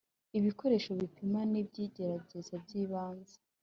Ibikoresho bipima n’ibyigerageza by’ibanze